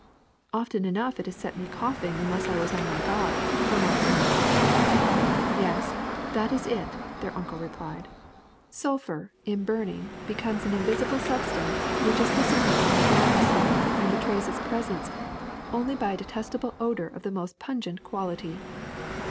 '' Often enough it has set me to coughing unless I was on my guard," remarked Emile. "Yes, that is it,'^ their uncle replied. "Sulphur, 1 See "Our Humble Helpers." WOOL 9n in burning, becomes an invisible substance which is dissipated in the atmosphere and betrays its presence only by a detestable odor of the most pungent quality.